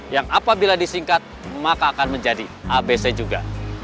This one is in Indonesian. yang apabila disingkat maka akan menjadi abc juga